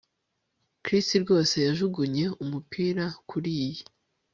Chris rwose yajugunye umupira kuriyi